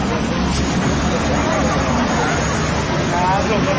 ขอบคุณครับขอบคุณครับ